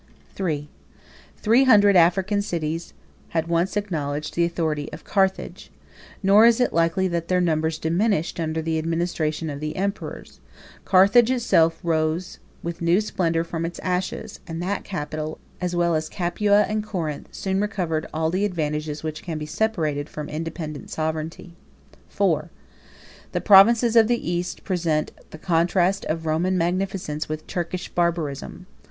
77 III. Three hundred African cities had once acknowledged the authority of Carthage, 78 nor is it likely that their numbers diminished under the administration of the emperors: Carthage itself rose with new splendor from its ashes; and that capital, as well as Capua and Corinth, soon recovered all the advantages which can be separated from independent sovereignty. IV. The provinces of the East present the contrast of Roman magnificence with Turkish barbarism.